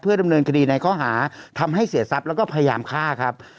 ดำเนินคดีในข้อหาทำให้เสียทรัพย์แล้วก็พยายามฆ่าครับ